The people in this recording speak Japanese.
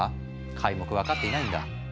皆目分かっていないんだ。